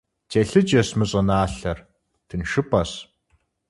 Телъыджэщ мы щӀыналъэр, тыншыпӀэщ.